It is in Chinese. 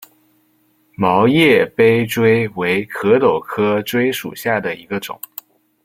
毛叶杯锥为壳斗科锥属下的一个种。